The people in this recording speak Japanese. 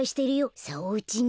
さあおうちに。